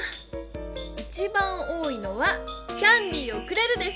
一番多いのは「キャンディーをくれる」です！